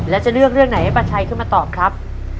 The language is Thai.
แล้วจะเลือกเรื่องไหนให้ป้าชัยขึ้นมาตอบครับ